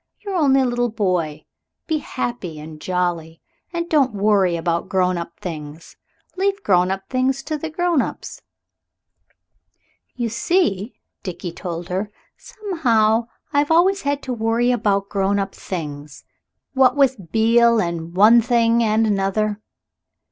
You're only a little boy. Be happy and jolly, and don't worry about grown up things. Leave grown up things to the grown ups." "You see," Dickie told her, "somehow I've always had to worry about grown up things. What with Beale, and one thing and another."